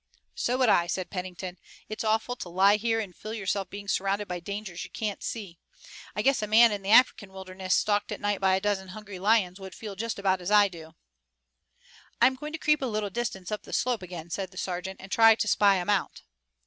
"So would I," said Pennington. "It's awful to lie here and feel yourself being surrounded by dangers you can't see. I guess a man in the African wilderness stalked at night by a dozen hungry lions would feel just about as I do." "I'm going to creep a little distance up the slope again," said the sergeant, "and try to spy 'em out."